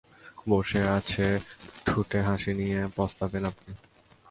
বসে আছে ঠুঁটে হাসি নিয়ে, পস্তাবেন আপনি।